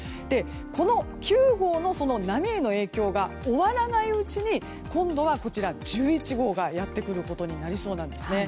この９号の影響が終わらないうちに今度は、１１号がやってくることになりそうなんですね。